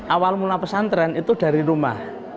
awal mula pesantren itu dari rumah